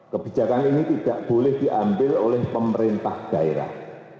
kebijakan ini tidak boleh diambil oleh pemerintah daerah